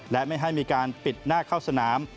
และไม่ให้มีการปิดหน้าเข้าสนาม